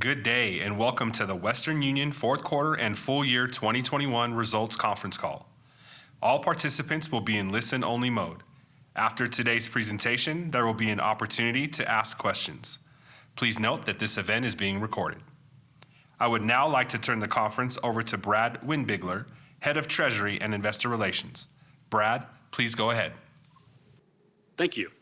Good day, and welcome to the Western Union fourth quarter and full year 2021 results conference call. All participants will be in listen-only mode. After today's presentation, there will be an opportunity to ask questions. Please note that this event is being recorded. I would now like to turn the conference over to Brad Windbigler, Head of Treasury and Investor Relations. Brad, please go ahead. Thank you.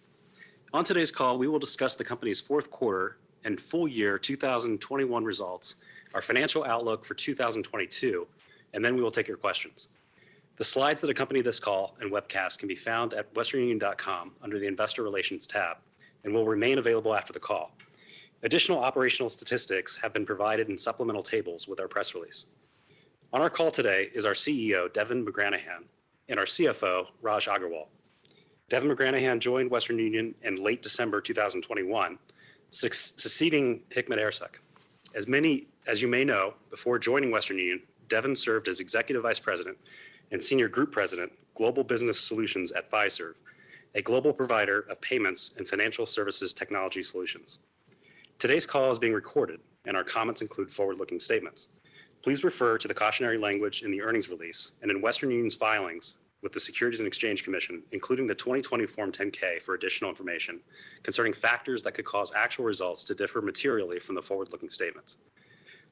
On today's call, we will discuss the company's fourth quarter and full year 2021 results, our financial outlook for 2022, and then we will take your questions. The slides that accompany this call and webcast can be found at westernunion.com under the investor relations tab and will remain available after the call. Additional operational statistics have been provided in supplemental tables with our press release. On our call today is our CEO, Devin McGranahan, and our CFO, Raj Agrawal. Devin McGranahan joined Western Union in late December 2021, succeeding Hikmet Ersek. As you may know, before joining Western Union, Devin served as Executive Vice President and Senior Group President, Global Business Solutions at Fiserv, a global provider of payments and financial services technology solutions. Today's call is being recorded, and our comments include forward-looking statements. Please refer to the cautionary language in the earnings release and in Western Union's filings with the Securities and Exchange Commission, including the 2020 Form 10-K, for additional information concerning factors that could cause actual results to differ materially from the forward-looking statements.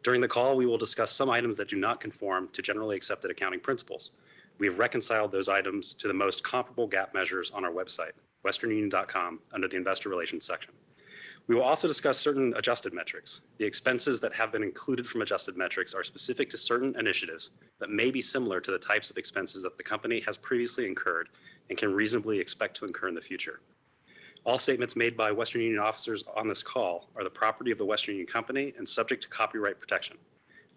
During the call, we will discuss some items that do not conform to generally accepted accounting principles. We have reconciled those items to the most comparable GAAP measures on our website, westernunion.com, under the investor relations section. We will also discuss certain adjusted metrics. The expenses that have been included from adjusted metrics are specific to certain initiatives that may be similar to the types of expenses that the company has previously incurred and can reasonably expect to incur in the future. All statements made by Western Union officers on this call are the property of the Western Union Company and subject to copyright protection.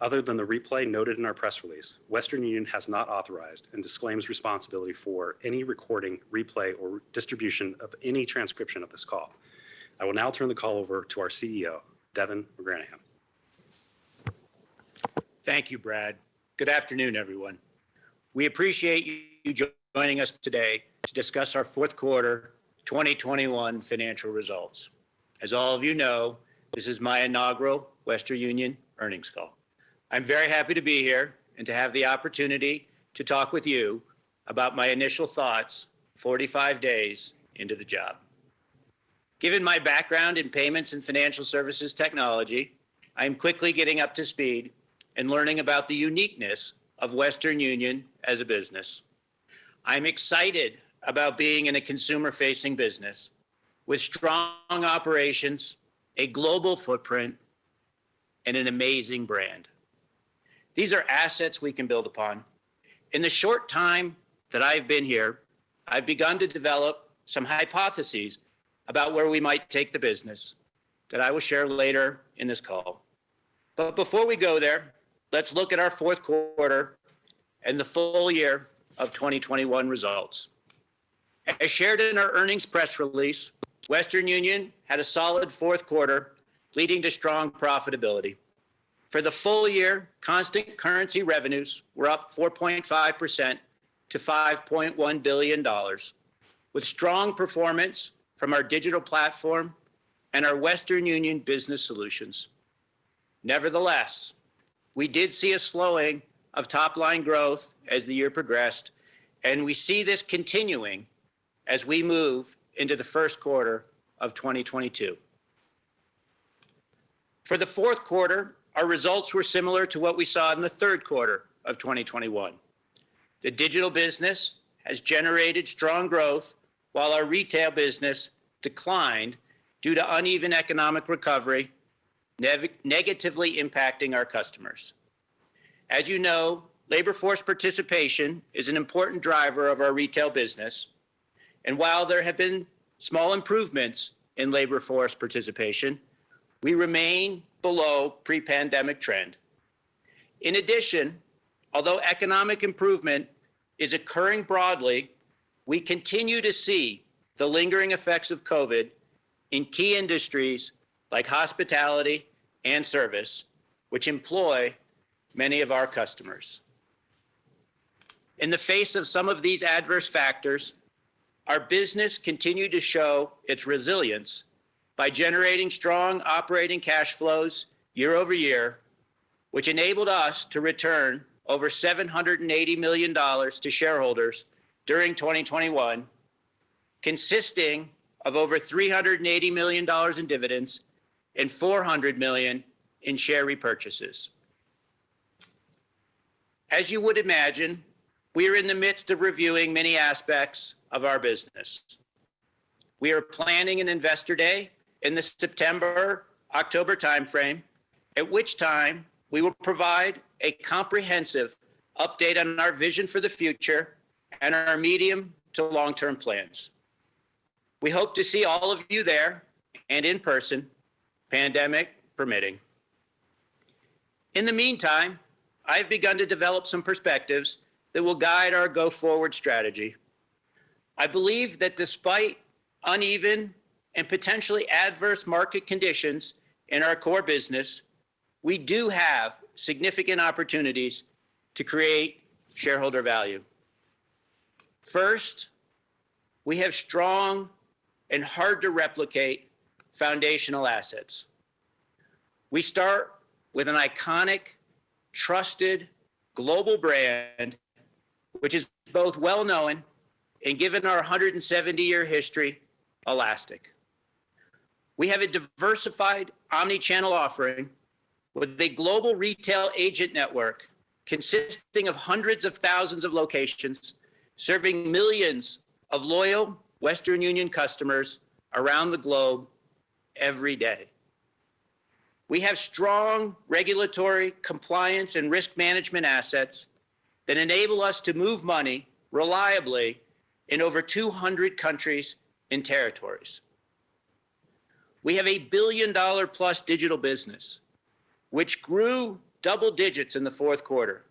Other than the replay noted in our press release, Western Union has not authorized and disclaims responsibility for any recording, replay, or distribution of any transcription of this call. I will now turn the call over to our CEO, Devin McGranahan. Thank you, Brad. Good afternoon, everyone. We appreciate you joining us today to discuss our fourth quarter 2021 financial results. As all of you know, this is my inaugural Western Union earnings call. I'm very happy to be here and to have the opportunity to talk with you about my initial thoughts 45 days into the job. Given my background in payments and financial services technology, I am quickly getting up to speed and learning about the uniqueness of Western Union as a business. I'm excited about being in a consumer-facing business with strong operations, a global footprint, and an amazing brand. These are assets we can build upon. In the short time that I've been here, I've begun to develop some hypotheses about where we might take the business that I will share later in this call. before we go there, let's look at our fourth quarter and the full year of 2021 results. As shared in our earnings press release, Western Union had a solid fourth quarter, leading to strong profitability. For the full year, constant currency revenues were up 4.5% to $5.1 billion, with strong performance from our digital platform and our Western Union Business Solutions. Nevertheless, we did see a slowing of top-line growth as the year progressed, and we see this continuing as we move into the first quarter of 2022. For the fourth quarter, our results were similar to what we saw in the third quarter of 2021. The digital business has generated strong growth, while our retail business declined due to uneven economic recovery negatively impacting our customers. As you know, labor force participation is an important driver of our retail business, and while there have been small improvements in labor force participation, we remain below pre-pandemic trend. In addition, although economic improvement is occurring broadly, we continue to see the lingering effects of COVID in key industries like hospitality and service, which employ many of our customers. In the face of some of these adverse factors, our business continued to show its resilience by generating strong operating cash flows year over year, which enabled us to return over $780 million to shareholders during 2021, consisting of over $380 million in dividends and $400 million in share repurchases. As you would imagine, we are in the midst of reviewing many aspects of our business. We are planning an Investor Day in the September-October timeframe, at which time we will provide a comprehensive update on our vision for the future and our medium to long-term plans. We hope to see all of you there and in person, pandemic permitting. In the meantime, I have begun to develop some perspectives that will guide our go-forward strategy. I believe that despite uneven and potentially adverse market conditions in our core business, we do have significant opportunities to create shareholder value. First, we have strong and hard-to-replicate foundational assets. We start with an iconic trusted global brand which is both well-known and given our 170-year history elastic. We have a diversified omni-channel offering with a global retail agent network consisting of hundreds of thousands of locations serving millions of loyal Western Union customers around the globe every day. We have strong regulatory compliance and risk management assets that enable us to move money reliably in over 200 countries and territories. We have a billion-dollar-plus digital business which grew double digits in the fourth quarter,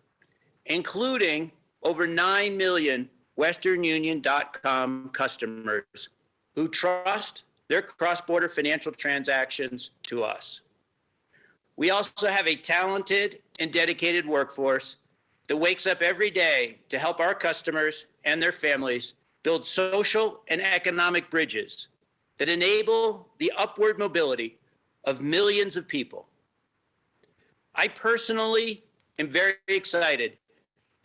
including over 9 million westernunion.com customers who trust their cross-border financial transactions to us. We also have a talented and dedicated workforce that wakes up every day to help our customers and their families build social and economic bridges that enable the upward mobility of millions of people. I personally am very excited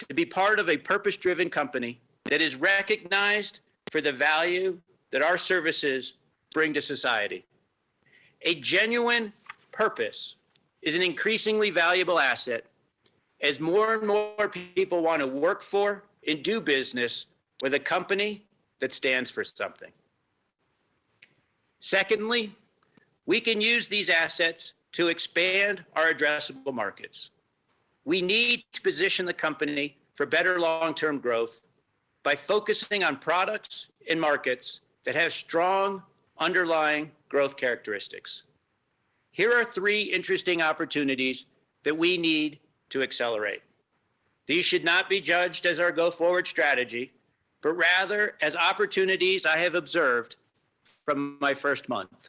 to be part of a purpose-driven company that is recognized for the value that our services bring to society. A genuine purpose is an increasingly valuable asset as more and more people want to work for and do business with a company that stands for something. Secondly, we can use these assets to expand our addressable markets. We need to position the company for better long-term growth by focusing on products and markets that have strong underlying growth characteristics. Here are three interesting opportunities that we need to accelerate. These should not be judged as our go-forward strategy but rather as opportunities I have observed from my first month.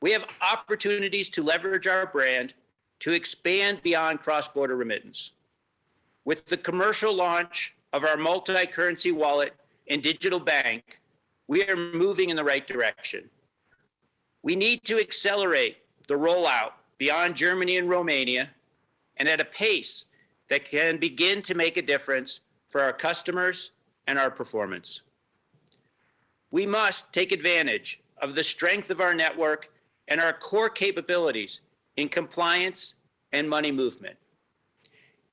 We have opportunities to leverage our brand to expand beyond cross-border remittance. With the commercial launch of our multi-currency wallet and digital bank we are moving in the right direction. We need to accelerate the rollout beyond Germany and Romania and at a pace that can begin to make a difference for our customers and our performance. We must take advantage of the strength of our network and our core capabilities in compliance and money movement.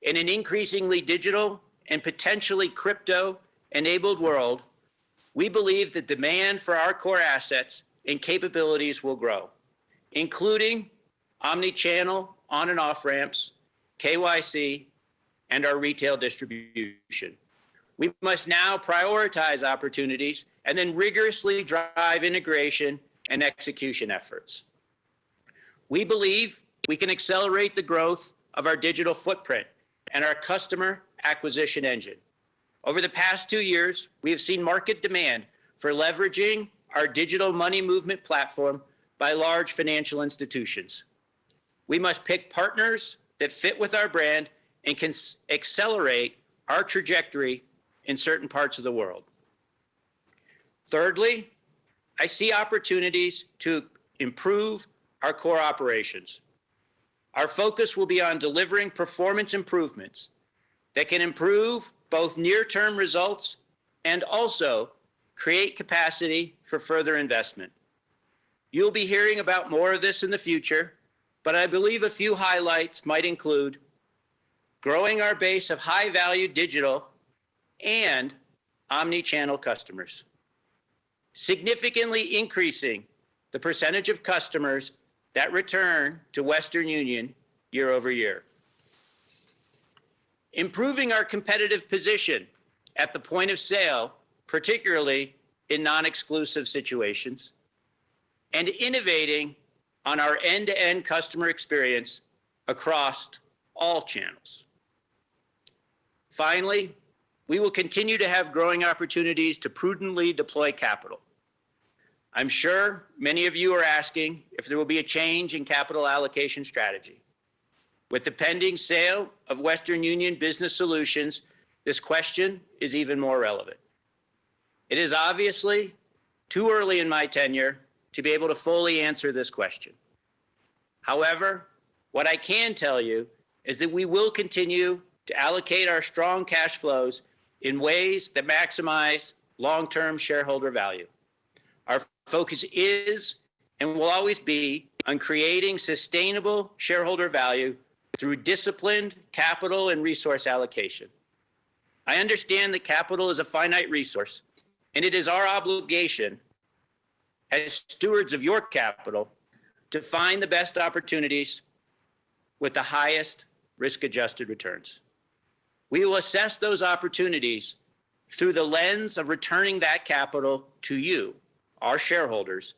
In an increasingly digital and potentially crypto-enabled world, we believe the demand for our core assets and capabilities will grow, including omni-channel on and off ramps, KYC, and our retail distribution. We must now prioritize opportunities and then rigorously drive integration and execution efforts. We believe we can accelerate the growth of our digital footprint and our customer acquisition engine. Over the past two years, we have seen market demand for leveraging our digital money movement platform by large financial institutions. We must pick partners that fit with our brand and can accelerate our trajectory in certain parts of the world. Thirdly, I see opportunities to improve our core operations. Our focus will be on delivering performance improvements that can improve both near-term results and also create capacity for further investment. You'll be hearing about more of this in the future, but I believe a few highlights might include growing our base of high-value digital and omni-channel customers. Significantly increasing the percentage of customers that return to Western Union year-over-year. Improving our competitive position at the point of sale, particularly in non-exclusive situations and innovating on our end-to-end customer experience across all channels. Finally, we will continue to have growing opportunities to prudently deploy capital. I'm sure many of you are asking if there will be a change in capital allocation strategy. With the pending sale of Western Union Business Solutions, this question is even more relevant. It is obviously too early in my tenure to be able to fully answer this question. However, what I can tell you is that we will continue to allocate our strong cash flows in ways that maximize long-term shareholder value. Our focus is and will always be on creating sustainable shareholder value through disciplined capital and resource allocation. I understand that capital is a finite resource, and it is our obligation as stewards of your capital to find the best opportunities with the highest risk-adjusted returns. We will assess those opportunities through the lens of returning that capital to you, our shareholders,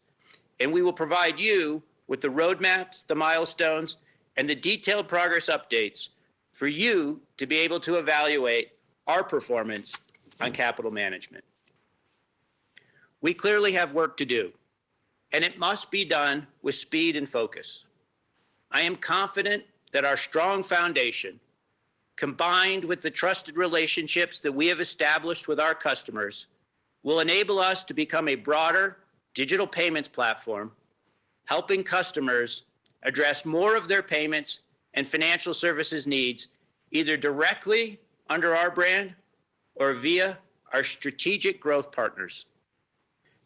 and we will provide you with the roadmaps, the milestones, and the detailed progress updates for you to be able to evaluate our performance on capital management. We clearly have work to do, and it must be done with speed and focus. I am confident that our strong foundation combined with the trusted relationships that we have established with our customers will enable us to become a broader digital payments platform helping customers address more of their payments and financial services needs either directly under our brand or via our strategic growth partners.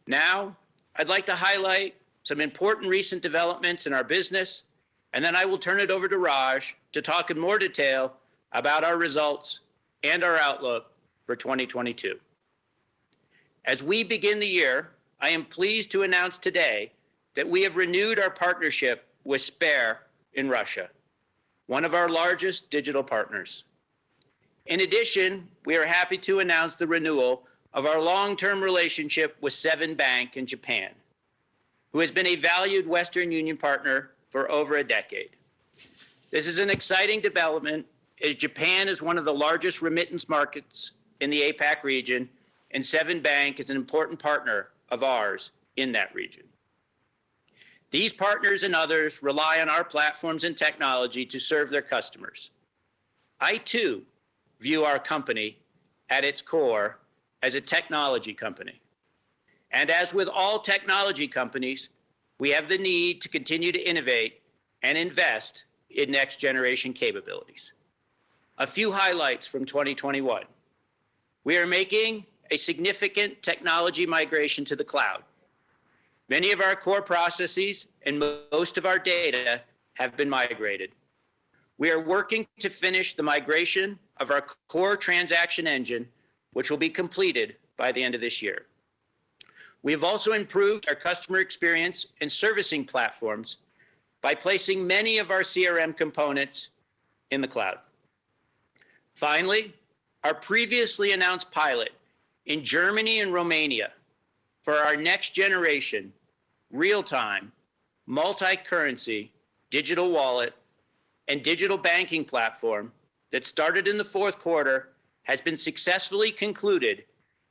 Now I'd like to highlight some important recent developments in our business, and then I will turn it over to Raj to talk in more detail about our results and our outlook for 2022. As we begin the year, I am pleased to announce today that we have renewed our partnership with Sber in Russia, one of our largest digital partners. In addition, we are happy to announce the renewal of our long-term relationship with Seven Bank in Japan, who has been a valued Western Union partner for over a decade. This is an exciting development as Japan is one of the largest remittance markets in the APAC region, and Seven Bank is an important partner of ours in that region. These partners and others rely on our platforms and technology to serve their customers. I, too, view our company at its core as a technology company. As with all technology companies, we have the need to continue to innovate and invest in next-generation capabilities. A few highlights from 2021. We are making a significant technology migration to the cloud. Many of our core processes and most of our data have been migrated. We are working to finish the migration of our core transaction engine, which will be completed by the end of this year. We have also improved our customer experience and servicing platforms by placing many of our CRM components in the cloud. Finally, our previously announced pilot in Germany and Romania for our next-generation real-time multi-currency digital wallet and digital banking platform that started in the fourth quarter has been successfully concluded,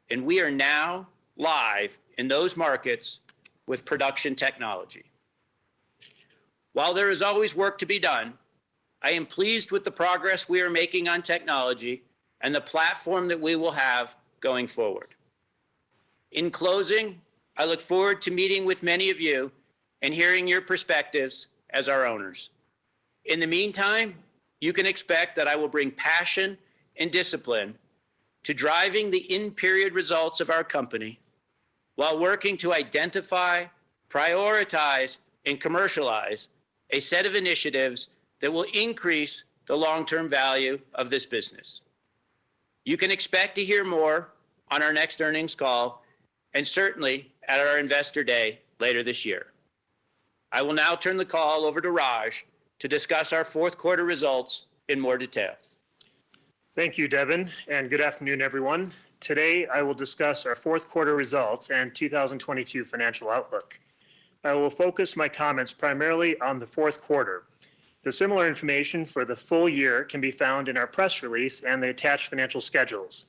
and we are now live in those markets with production technology. While there is always work to be done, I am pleased with the progress we are making on technology and the platform that we will have going forward. In closing, I look forward to meeting with many of you and hearing your perspectives as our owners. In the meantime, you can expect that I will bring passion and discipline to driving the in-period results of our company while working to identify, prioritize, and commercialize a set of initiatives that will increase the long-term value of this business. You can expect to hear more on our next earnings call and certainly at our Investor Day later this year. I will now turn the call over to Raj to discuss our fourth quarter results in more detail. Thank you, Devin, and good afternoon, everyone. Today, I will discuss our fourth quarter results and 2022 financial outlook. I will focus my comments primarily on the fourth quarter. The similar information for the full year can be found in our press release and the attached financial schedules.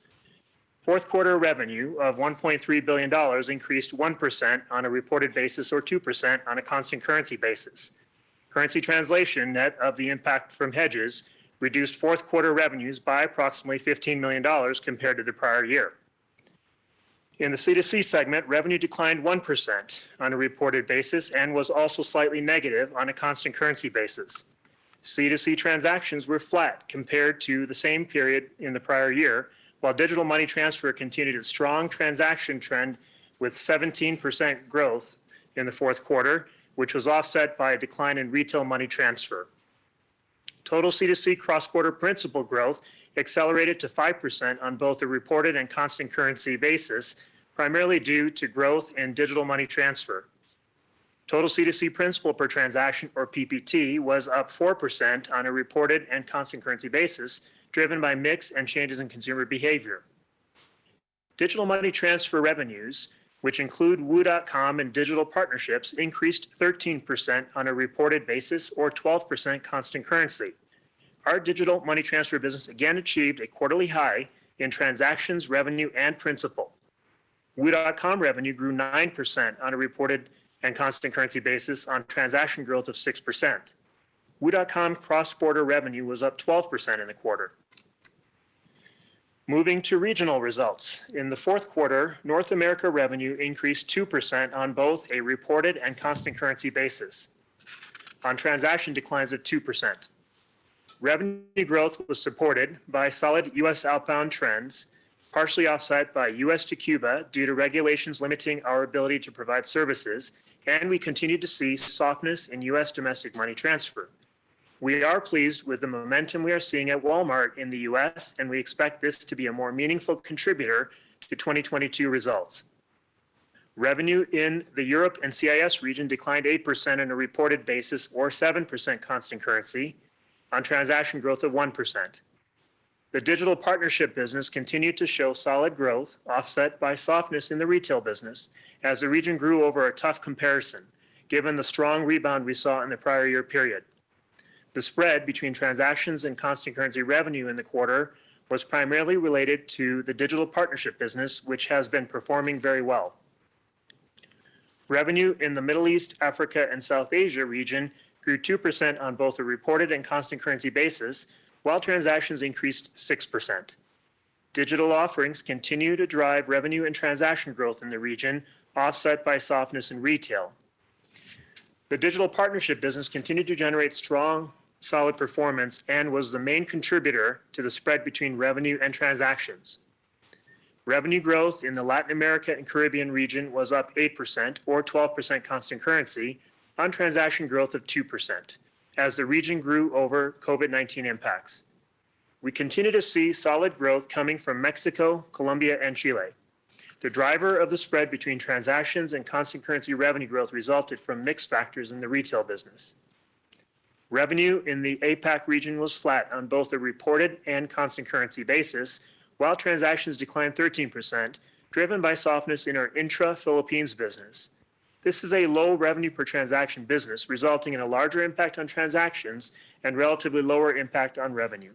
Fourth quarter revenue of $1.3 billion increased 1% on a reported basis or 2% on a constant currency basis. Currency translation net of the impact from hedges reduced fourth quarter revenues by approximately $15 million compared to the prior year. In the C2C segment, revenue declined 1% on a reported basis and was also slightly negative on a constant currency basis. C2C transactions were flat compared to the same period in the prior year, while digital money transfer continued a strong transaction trend with 17% growth in the fourth quarter, which was offset by a decline in retail money transfer. Total C2C cross-border principal growth accelerated to 5% on both a reported and constant currency basis, primarily due to growth in digital money transfer. Total C2C principal per transaction or PPT was up 4% on a reported and constant currency basis, driven by mix and changes in consumer behavior. Digital money transfer revenues, which include wu.com and digital partnerships, increased 13% on a reported basis or 12% constant currency. Our digital money transfer business again achieved a quarterly high in transactions revenue and principal. wu.com revenue grew 9% on a reported and constant currency basis on transaction growth of 6%. wu.com cross-border revenue was up 12% in the quarter. Moving to regional results. In the fourth quarter, North America revenue increased 2% on both a reported and constant currency basis on transaction declines of 2%. Revenue growth was supported by solid U.S. outbound trends, partially offset by U.S. to Cuba due to regulations limiting our ability to provide services, and we continued to see softness in U.S. domestic money transfer. We are pleased with the momentum we are seeing at Walmart in the U.S., and we expect this to be a more meaningful contributor to 2022 results. Revenue in the Europe and CIS region declined 8% on a reported basis or 7% constant currency on transaction growth of 1%. The digital partnership business continued to show solid growth offset by softness in the retail business as the region grew over a tough comparison given the strong rebound we saw in the prior year period. The spread between transactions and constant currency revenue in the quarter was primarily related to the digital partnership business, which has been performing very well. Revenue in the Middle East, Africa, and South Asia region grew 2% on both the reported and constant currency basis while transactions increased 6%. Digital offerings continue to drive revenue and transaction growth in the region offset by softness in retail. The digital partnership business continued to generate strong, solid performance and was the main contributor to the spread between revenue and transactions. Revenue growth in the Latin America and Caribbean region was up 8% or 12% constant currency on transaction growth of 2% as the region grew over COVID-19 impacts. We continue to see solid growth coming from Mexico, Colombia, and Chile. The driver of the spread between transactions and constant currency revenue growth resulted from mixed factors in the retail business. Revenue in the APAC region was flat on both the reported and constant currency basis while transactions declined 13%, driven by softness in our intra-Philippines business. This is a low revenue per transaction business, resulting in a larger impact on transactions and relatively lower impact on revenue.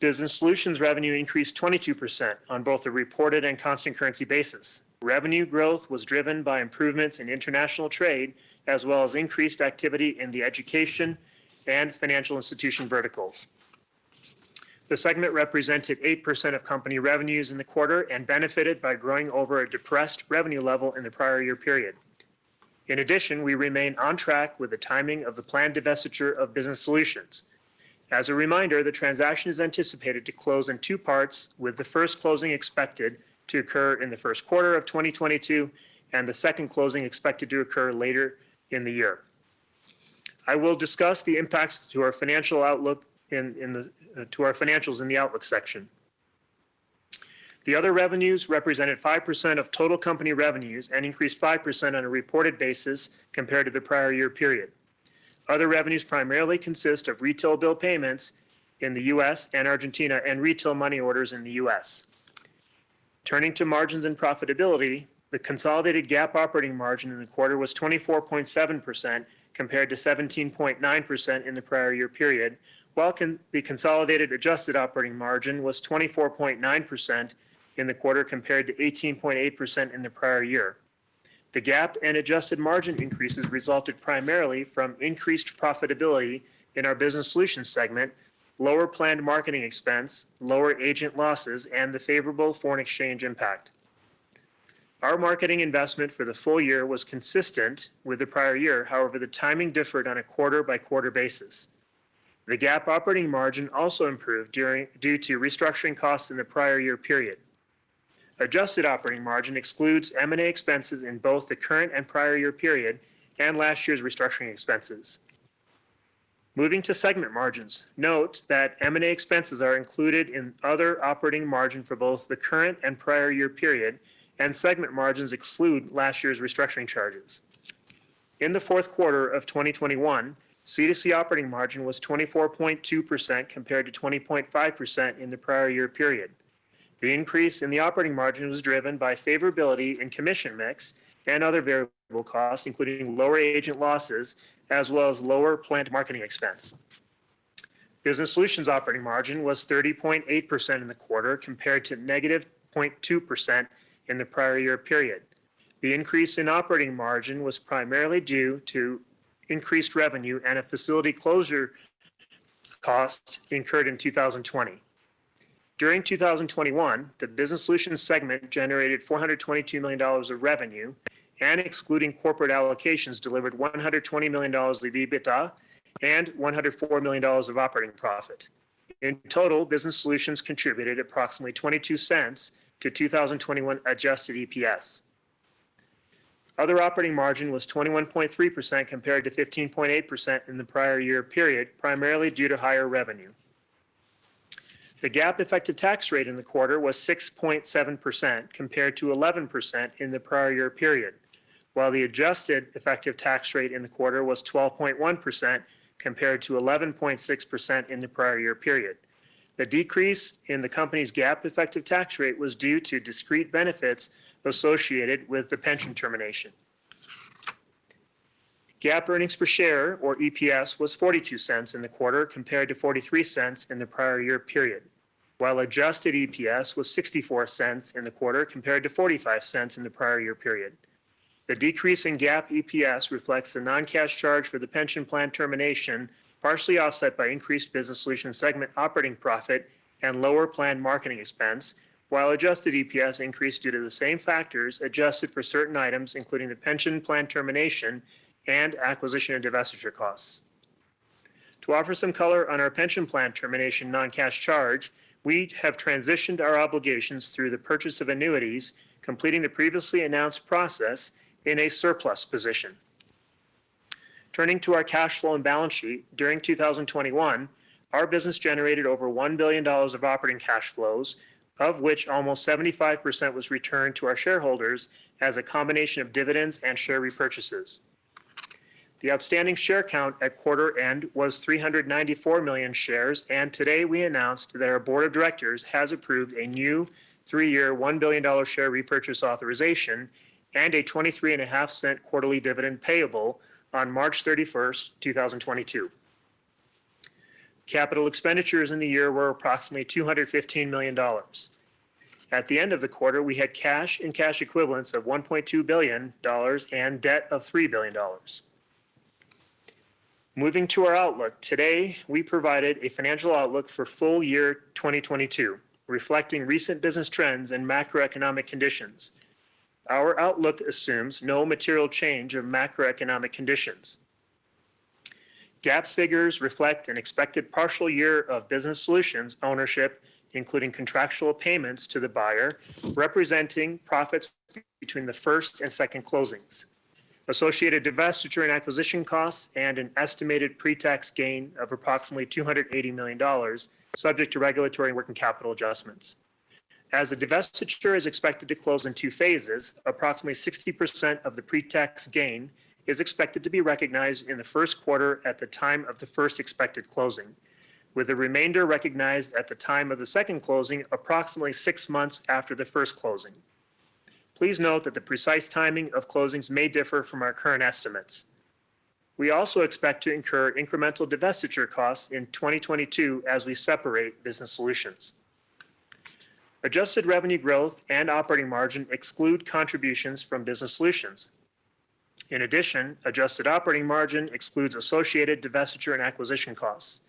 Business Solutions revenue increased 22% on both the reported and constant currency basis. Revenue growth was driven by improvements in international trade as well as increased activity in the education and financial institution verticals. The segment represented 8% of company revenues in the quarter and benefited by growing over a depressed revenue level in the prior year period. In addition, we remain on track with the timing of the planned divestiture of business solutions. As a reminder, the transaction is anticipated to close in two parts, with the first closing expected to occur in the first quarter of 2022 and the second closing expected to occur later in the year. I will discuss the impacts to our financials in the outlook section. The other revenues represented 5% of total company revenues and increased 5% on a reported basis compared to the prior year period. Other revenues primarily consist of retail bill payments in the U.S. and Argentina and retail money orders in the U.S. Turning to margins and profitability, the consolidated GAAP operating margin in the quarter was 24.7% compared to 17.9% in the prior year period, while the consolidated adjusted operating margin was 24.9% in the quarter compared to 18.8% in the prior year. The GAAP and adjusted margin increases resulted primarily from increased profitability in our business solutions segment, lower planned marketing expense, lower agent losses, and the favorable foreign exchange impact. Our marketing investment for the full year was consistent with the prior year. However, the timing differed on a quarter-by-quarter basis. The GAAP operating margin also improved due to restructuring costs in the prior year period. Adjusted operating margin excludes M&A expenses in both the current and prior year period and last year's restructuring expenses. Moving to segment margins, note that M&A expenses are included in other operating margin for both the current and prior year period, and segment margins exclude last year's restructuring charges. In the fourth quarter of 2021, C2C operating margin was 24.2% compared to 20.5% in the prior year period. The increase in the operating margin was driven by favorability in commission mix and other variable costs, including lower agent losses, as well as lower planned marketing expense. Business Solutions operating margin was 30.8% in the quarter compared to -0.2% in the prior year period. The increase in operating margin was primarily due to increased revenue and a facility closure costs incurred in 2020. During 2021, the Business Solutions segment generated $422 million of revenue, and excluding corporate allocations, delivered $120 million of EBITDA and $104 million of operating profit. In total, Business Solutions contributed approximately $0.22 to 2021 adjusted EPS. Other operating margin was 21.3% compared to 15.8% in the prior year period, primarily due to higher revenue. The GAAP effective tax rate in the quarter was 6.7% compared to 11% in the prior year period, while the adjusted effective tax rate in the quarter was 12.1% compared to 11.6% in the prior year period. The decrease in the company's GAAP effective tax rate was due to discrete benefits associated with the pension termination. GAAP earnings per share, or EPS, was $0.42 in the quarter compared to $0.43 in the prior year period, while adjusted EPS was $0.64 in the quarter compared to $0.45 in the prior year period. The decrease in GAAP EPS reflects the non-cash charge for the pension plan termination, partially offset by increased business solutions segment operating profit and lower planned marketing expense, while adjusted EPS increased due to the same factors adjusted for certain items, including the pension plan termination and acquisition and divestiture costs. To offer some color on our pension plan termination non-cash charge, we have transitioned our obligations through the purchase of annuities, completing the previously announced process in a surplus position. Turning to our cash flow and balance sheet, during 2021, our business generated over $1 billion of operating cash flows, of which almost 75% was returned to our shareholders as a combination of dividends and share repurchases. The outstanding share count at quarter end was 394 million shares, and today we announced that our board of directors has approved a new three-year, $1 billion share repurchase authorization and a $0.235 quarterly dividend payable on March 31, 2022. Capital expenditures in the year were approximately $215 million. At the end of the quarter, we had cash and cash equivalents of $1.2 billion and debt of $3 billion. Moving to our outlook. Today, we provided a financial outlook for full year 2022, reflecting recent business trends and macroeconomic conditions. Our outlook assumes no material change of macroeconomic conditions. GAAP figures reflect an expected partial year of Business Solutions ownership, including contractual payments to the buyer, representing profits between the first and second closings, associated divestiture and acquisition costs, and an estimated pre-tax gain of approximately $280 million subject to regulatory working capital adjustments. As the divestiture is expected to close in two phases, approximately 60% of the pre-tax gain is expected to be recognized in the first quarter at the time of the first expected closing, with the remainder recognized at the time of the second closing, approximately six months after the first closing. Please note that the precise timing of closings may differ from our current estimates. We also expect to incur incremental divestiture costs in 2022 as we separate Business Solutions. Adjusted revenue growth and operating margin exclude contributions from Business Solutions. In addition, adjusted operating margin excludes associated divestiture and acquisition costs.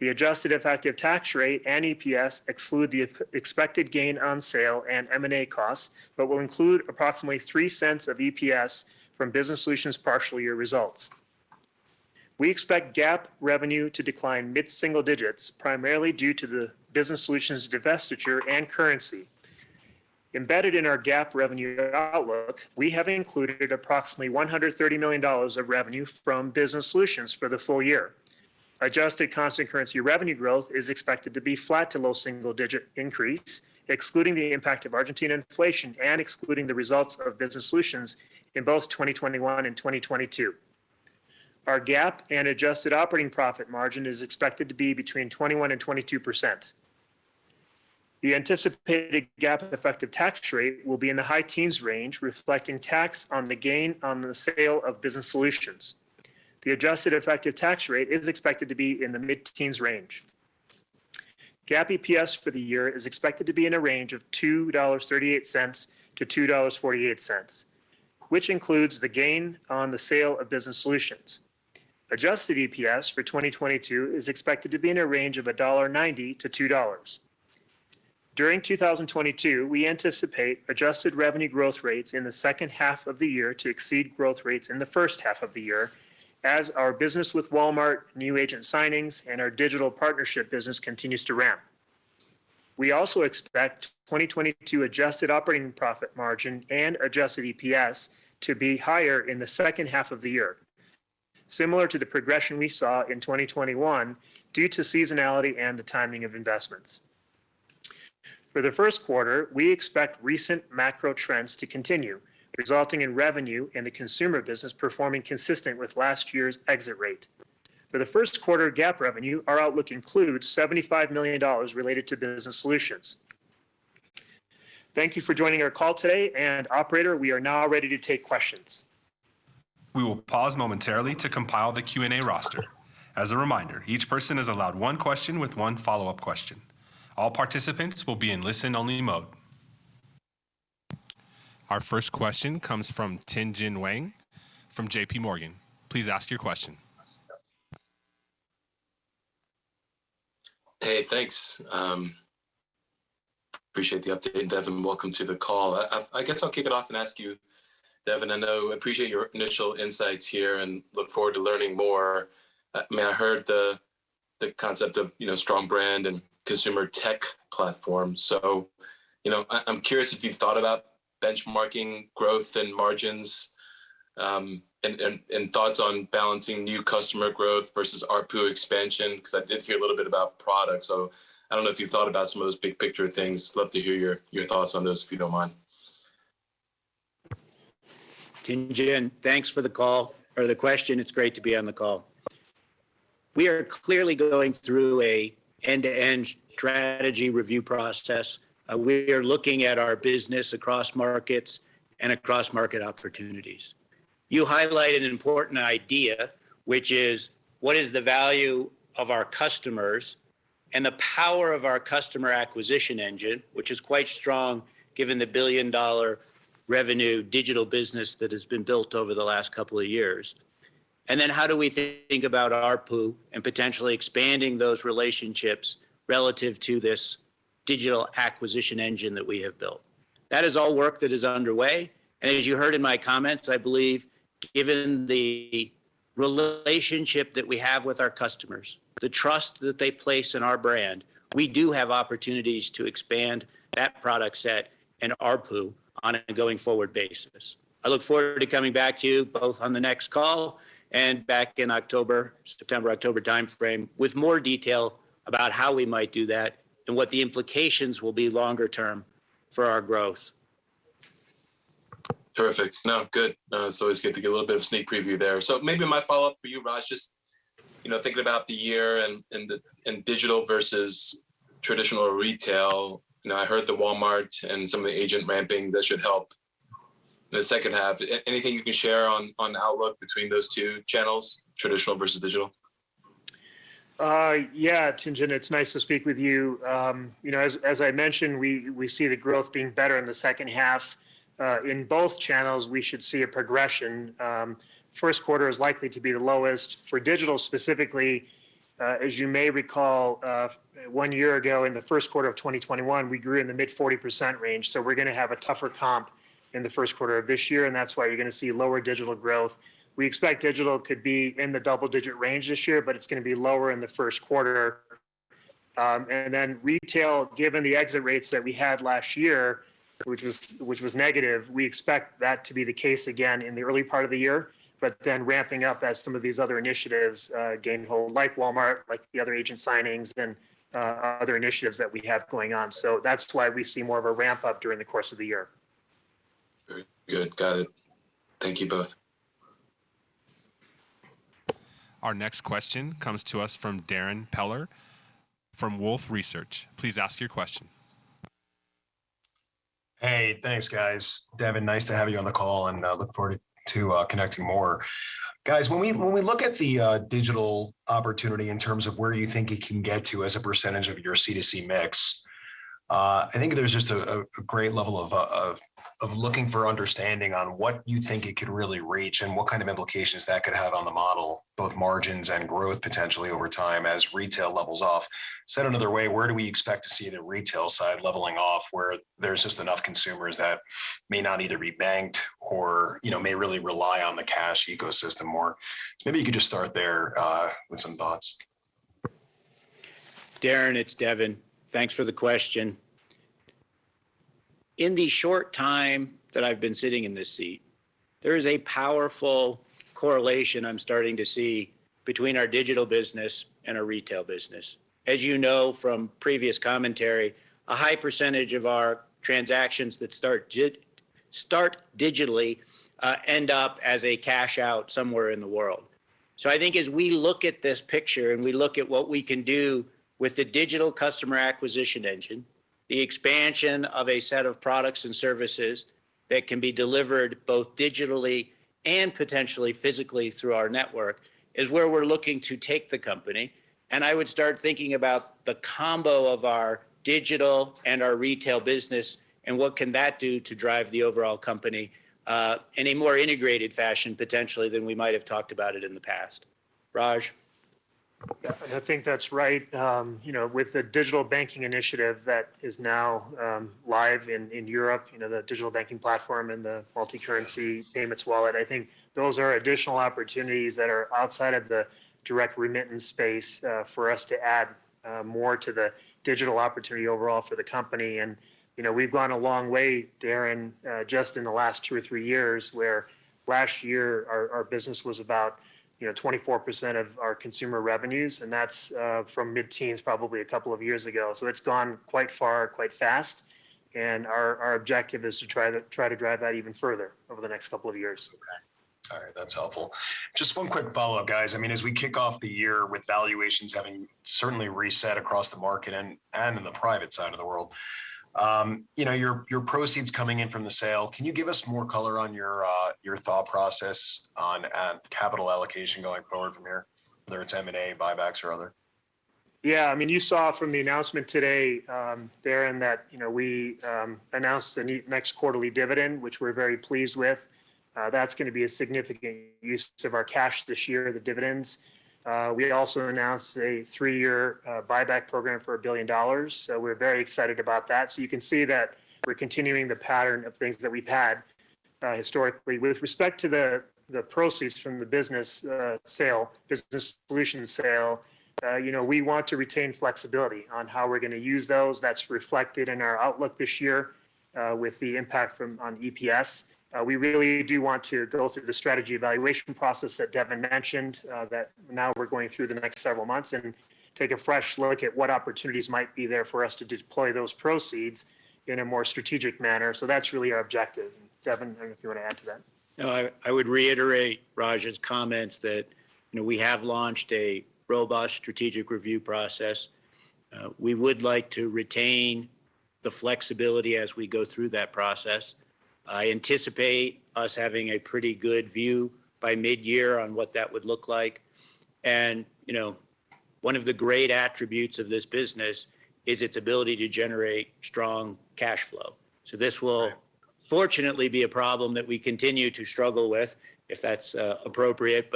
The adjusted effective tax rate and EPS exclude the expected gain on sale and M&A costs, but will include approximately $0.03 of EPS from Business Solutions' partial year results. We expect GAAP revenue to decline mid-single-digit%, primarily due to the Business Solutions divestiture and currency. Embedded in our GAAP revenue outlook, we have included approximately $130 million of revenue from Business Solutions for the full year. Adjusted constant currency revenue growth is expected to be flat to low single-digit% increase, excluding the impact of Argentina inflation and excluding the results of Business Solutions in both 2021 and 2022. Our GAAP and adjusted operating profit margin is expected to be between 21% and 22%. The anticipated GAAP effective tax rate will be in the high teens% range, reflecting tax on the gain on the sale of Business Solutions. The adjusted effective tax rate is expected to be in the mid-teens% range. GAAP EPS for the year is expected to be in a range of $2.38-$2.48, which includes the gain on the sale of Business Solutions. Adjusted EPS for 2022 is expected to be in a range of $1.90-$2.00. During 2022, we anticipate adjusted revenue growth rates in the second half of the year to exceed growth rates in the first half of the year as our business with Walmart, new agent signings, and our digital partnership business continues to ramp. We also expect 2022 adjusted operating profit margin and adjusted EPS to be higher in the second half of the year, similar to the progression we saw in 2021 due to seasonality and the timing of investments. For the first quarter, we expect recent macro trends to continue, resulting in revenue in the consumer business performing consistent with last year's exit rate. For the first quarter GAAP revenue, our outlook includes $75 million related to Business Solutions. Thank you for joining our call today, and operator, we are now ready to take questions. We will pause momentarily to compile the Q&A roster. As a reminder, each person is allowed one question with one follow-up question. All participants will be in listen-only mode. Our first question comes from Tien-Tsin Huang from JPMorgan. Please ask your question. Hey, thanks. Appreciate the update, Devin. Welcome to the call. I guess I'll kick it off and ask you, Devin. Appreciate your initial insights here and look forward to learning more. I mean, I heard the concept of strong brand and consumer tech platform. I'm curious if you've thought about benchmarking growth and margins, and thoughts on balancing new customer growth versus ARPU expansion, because I did hear a little bit about product. I don't know if you've thought about some of those big picture things. Love to hear your thoughts on those, if you don't mind. Tien-Tsin, thanks for the call or the question. It's great to be on the call. We are clearly going through an end-to-end strategy review process. We are looking at our business across markets and across market opportunities. You highlight an important idea, which is what is the value of our customers and the power of our customer acquisition engine, which is quite strong given the billion-dollar revenue digital business that has been built over the last couple of years. How do we think about ARPU and potentially expanding those relationships relative to this digital acquisition engine that we have built? That is all work that is underway. As you heard in my comments, I believe given the relationship that we have with our customers, the trust that they place in our brand, we do have opportunities to expand that product set and ARPU on a going-forward basis. I look forward to coming back to you both on the next call and back in October, September-October timeframe, with more detail about how we might do that and what the implications will be longer term for our growth. It's always good to get a little bit of sneak preview there. Maybe my follow-up for you, Raj, just, you know, thinking about the year and digital versus traditional retail. You know, I heard the Walmart and some of the agent ramping that should help. The second half. Anything you can share on outlook between those two channels, traditional versus digital? Yeah, Tien-Tsin, it's nice to speak with you. As I mentioned, we see the growth being better in the second half. In both channels, we should see a progression. First quarter is likely to be the lowest. For digital specifically, as you may recall, one year ago in the first quarter of 2021, we grew in the mid-40% range, so we're gonna have a tougher comp in the first quarter of this year, and that's why you're gonna see lower digital growth. We expect digital could be in the double-digit range this year, but it's gonna be lower in the first quarter. Retail, given the exit rates that we had last year, which was negative, we expect that to be the case again in the early part of the year, but then ramping up as some of these other initiatives gain hold, like Walmart, like the other agent signings and other initiatives that we have going on. That's why we see more of a ramp up during the course of the year. Very good. Got it. Thank you both. Our next question comes to us from Darrin Peller from Wolfe Research. Please ask your question. Hey, thanks, guys. Devin, nice to have you on the call, and I look forward to connecting more. Guys, when we look at the digital opportunity in terms of where you think it can get to as a percentage of your C2C mix, I think there's just a great level of looking for understanding on what you think it could really reach and what kind of implications that could have on the model, both margins and growth potentially over time as retail levels off. Said another way, where do we expect to see the retail side leveling off where there's just enough consumers that may not either be banked or, may really rely on the cash ecosystem more? Maybe you could just start there with some thoughts. Darrin, it's Devin. Thanks for the question. In the short time that I've been sitting in this seat, there is a powerful correlation I'm starting to see between our digital business and our retail business. As you know from previous commentary, a high percentage of our transactions that start digitally end up as a cash out somewhere in the world. I think as we look at this picture and we look at what we can do with the digital customer acquisition engine, the expansion of a set of products and services that can be delivered both digitally and potentially physically through our network is where we're looking to take the company. I would start thinking about the combo of our digital and our retail business and what can that do to drive the overall company, in a more integrated fashion potentially than we might have talked about it in the past. Raj? Yeah. I think that's right. With the digital banking initiative that is now live in Europe, you know, the digital banking platform and the multicurrency payments wallet, I think those are additional opportunities that are outside of the direct remittance space for us to add more to the digital opportunity overall for the company. We've gone a long way, Darrin, just in the last two or three years, where last year our business was about, you know, 24% of our consumer revenues, and that's from mid-teens probably a couple of years ago. It's gone quite far, quite fast, and our objective is to try to drive that even further over the next couple of years. Okay. All right. That's helpful. Just one quick follow-up, guys. I mean, as we kick off the year with valuations having certainly reset across the market and in the private side of the world, your proceeds coming in from the sale, can you give us more color on your thought process on capital allocation going forward from here, whether it's M&A, buybacks or other? Yeah. I mean, you saw from the announcement today, Darrin, that, you know, we announced the next quarterly dividend, which we're very pleased with. That's gonna be a significant use of our cash this year, the dividends. We also announced a three-year buyback program for $1 billion. We're very excited about that. You can see that we're continuing the pattern of things that we've had historically. With respect to the proceeds from the Business Solutions sale, we want to retain flexibility on how we're gonna use those. That's reflected in our outlook this year with the impact on EPS. We really do want to go through the strategy evaluation process that Devin mentioned, that now we're going through the next several months and take a fresh look at what opportunities might be there for us to deploy those proceeds in a more strategic manner. That's really our objective. Devin, I don't know if you want to add to that. No, I would reiterate Raj's comments that, we have launched a robust strategic review process. We would like to retain the flexibility as we go through that process. I anticipate us having a pretty good view by mid-year on what that would look like. You know, one of the great attributes of this business is its ability to generate strong cash flow. This will-... fortunately be a problem that we continue to struggle with if that's appropriate.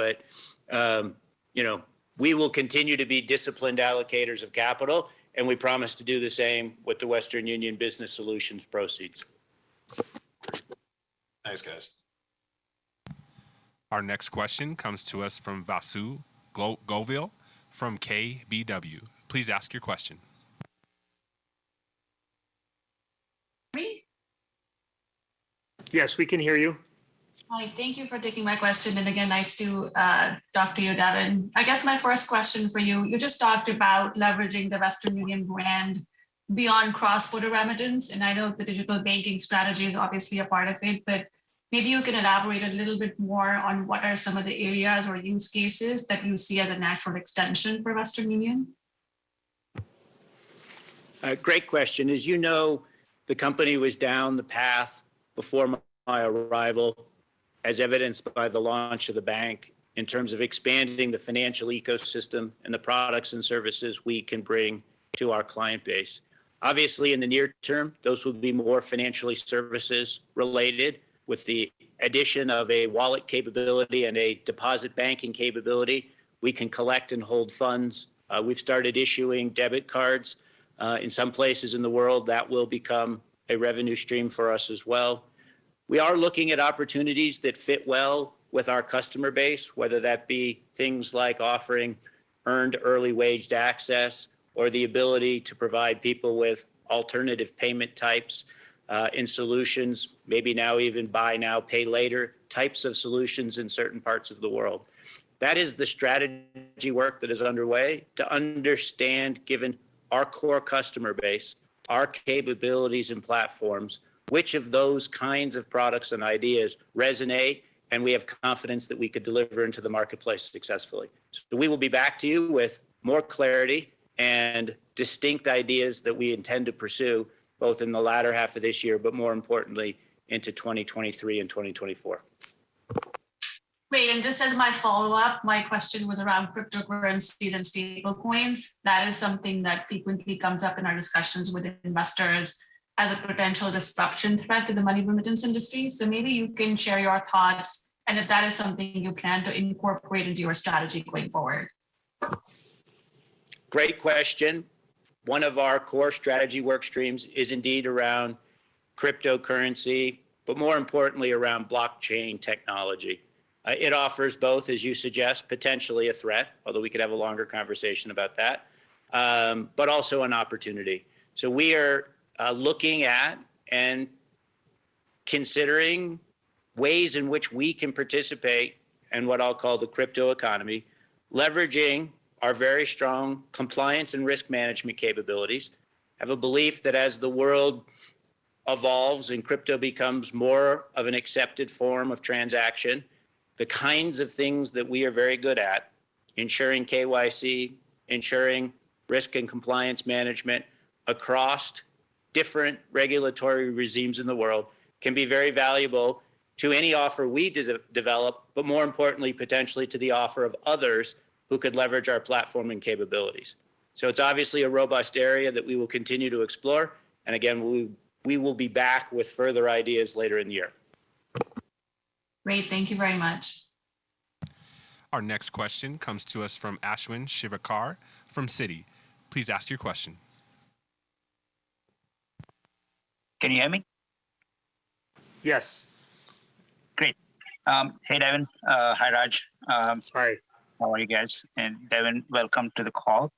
We will continue to be disciplined allocators of capital, and we promise to do the same with the Western Union Business Solutions proceeds. Thanks, guys. Our next question comes to us from Vasu Govil from KBW. Please ask your question. Me? Yes, we can hear you. Hi. Thank you for taking my question, and again, nice to talk to you, Devin. I guess my first question for you just talked about leveraging the Western Union brand beyond cross-border remittance, and I know the digital banking strategy is obviously a part of it, but maybe you can elaborate a little bit more on what are some of the areas or use cases that you see as a natural extension for Western Union? A great question. As you know, the company was down the path before my arrival as evidenced by the launch of the bank in terms of expanding the financial ecosystem and the products and services we can bring to our client base. Obviously, in the near-term, those would be more financial services related with the addition of a wallet capability and a deposit banking capability we can collect and hold funds. We've started issuing debit cards. In some places in the world that will become a revenue stream for us as well. We are looking at opportunities that fit well with our customer base, whether that be things like offering earned wage access or the ability to provide people with alternative payment types, and solutions, maybe now even buy now, pay later types of solutions in certain parts of the world. That is the strategy work that is underway to understand, given our core customer base, our capabilities and platforms, which of those kinds of products and ideas resonate, and we have confidence that we could deliver into the marketplace successfully. We will be back to you with more clarity and distinct ideas that we intend to pursue both in the latter half of this year, but more importantly into 2023 and 2024. Great. Just as my follow-up, my question was around cryptocurrency and stablecoins. That is something that frequently comes up in our discussions with investors as a potential disruption threat to the money remittance industry. Maybe you can share your thoughts and if that is something you plan to incorporate into your strategy going forward. Great question. One of our core strategy work streams is indeed around cryptocurrency, but more importantly around blockchain technology. It offers both, as you suggest, potentially a threat, although we could have a longer conversation about that, but also an opportunity. We are looking at and considering ways in which we can participate in what I'll call the crypto economy, leveraging our very strong compliance and risk management capabilities. I have a belief that as the world evolves and crypto becomes more of an accepted form of transaction, the kinds of things that we are very good at, ensuring KYC, ensuring risk and compliance management across different regulatory regimes in the world, can be very valuable to any offer we develop, but more importantly, potentially to the offer of others who could leverage our platform and capabilities. It's obviously a robust area that we will continue to explore. Again, we will be back with further ideas later in the year. Great. Thank you very much. Our next question comes to us from Ashwin Shirvaikar from Citi. Please ask your question. Can you hear me? Yes. Great. Hey, Devin. Hi, Raj. Hi. How are you guys? Devin, welcome to the call.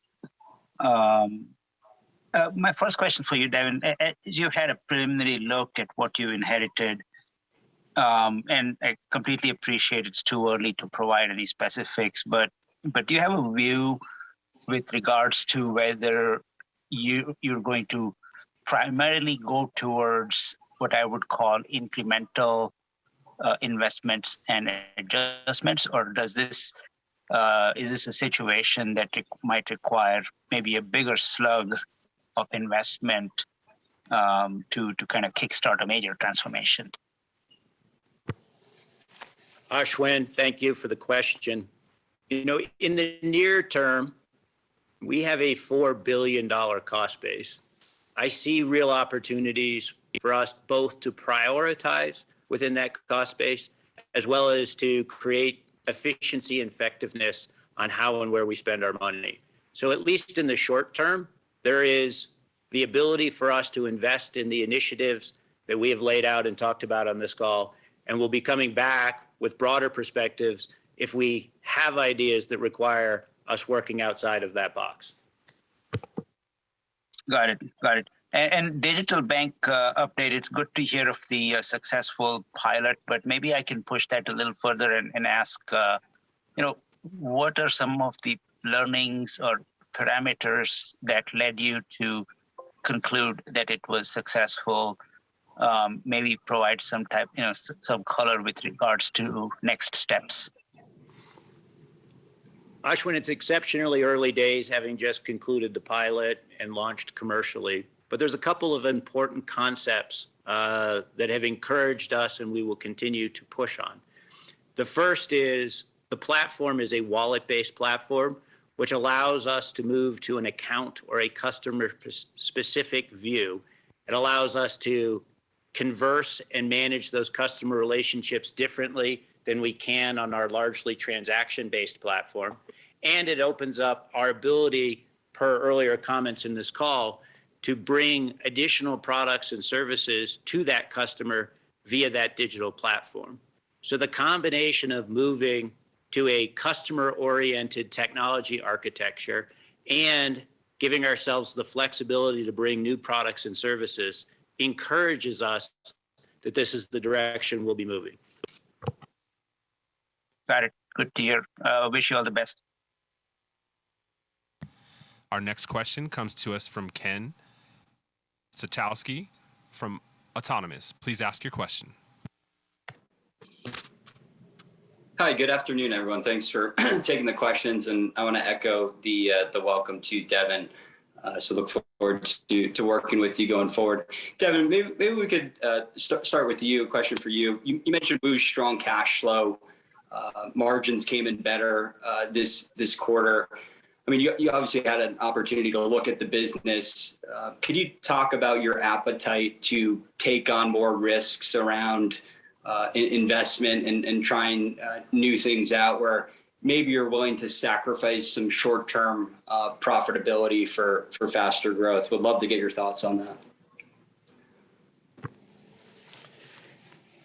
My first question for you, Devin, as you had a preliminary look at what you inherited, and I completely appreciate it's too early to provide any specifics, but do you have a view with regards to whether you're going to primarily go towards what I would call incremental investments and adjustments? Or is this a situation that might require maybe a bigger slug of investment to kind of kick-start a major transformation? Ashwin, thank you for the question. You know, in the near term, we have a $4 billion cost base. I see real opportunities for us both to prioritize within that cost base as well as to create efficiency and effectiveness on how and where we spend our money. At least in the short term, there is the ability for us to invest in the initiatives that we have laid out and talked about on this call, and we'll be coming back with broader perspectives if we have ideas that require us working outside of that box. Got it. Digital bank update, it's good to hear of the successful pilot, but maybe I can push that a little further and ask, you know, what are some of the learnings or parameters that led you to conclude that it was successful? Maybe provide some type, some color with regards to next steps. Ashwin, it's exceptionally early days having just concluded the pilot and launched commercially. There's a couple of important concepts that have encouraged us and we will continue to push on. The first is the platform is a wallet-based platform, which allows us to move to an account or a customer person-specific view. It allows us to converse and manage those customer relationships differently than we can on our largely transaction-based platform. It opens up our ability, per earlier comments in this call, to bring additional products and services to that customer via that digital platform. The combination of moving to a customer-oriented technology architecture and giving ourselves the flexibility to bring new products and services encourages us that this is the direction we'll be moving. Got it. Good to hear. Wish you all the best. Our next question comes to us from Ken Suchoski from Autonomous. Please ask your question. Hi. Good afternoon, everyone. Thanks for taking the questions, and I wanna echo the welcome to Devin. So look forward to working with you going forward. Devin, maybe we could start with you, a question for you. You mentioned WU's strong cash flow, margins came in better this quarter. I mean, you obviously had an opportunity to go look at the business. Could you talk about your appetite to take on more risks around investment and trying new things out where maybe you're willing to sacrifice some short-term profitability for faster growth? Would love to get your thoughts on that.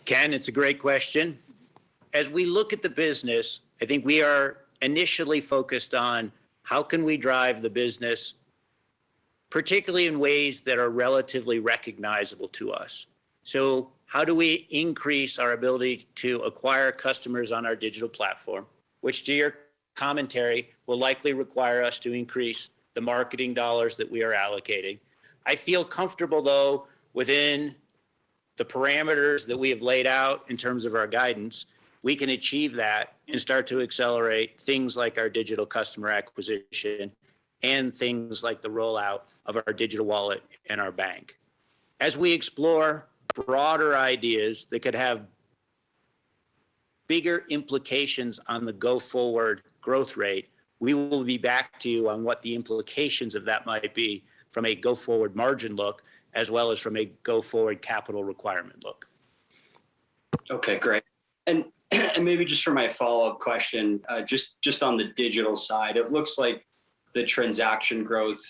Ken, it's a great question. As we look at the business, I think we are initially focused on how can we drive the business, particularly in ways that are relatively recognizable to us. How do we increase our ability to acquire customers on our digital platform, which to your commentary, will likely require us to increase the marketing dollars that we are allocating. I feel comfortable though, within the parameters that we have laid out in terms of our guidance, we can achieve that and start to accelerate things like our digital customer acquisition and things like the rollout of our digital wallet and our bank. As we explore broader ideas that could have bigger implications on the go-forward growth rate, we will be back to you on what the implications of that might be from a go-forward margin look, as well as from a go-forward capital requirement look. Okay, great. Maybe just for my follow-up question, just on the digital side. It looks like the transaction growth